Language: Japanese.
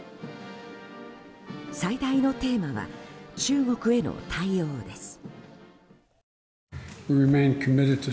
最大のテーマは中国への対応です。